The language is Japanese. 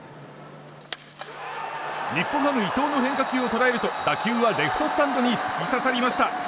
日本ハム伊藤の変化球を捉えると打球はレフトスタンドに突き刺さりました。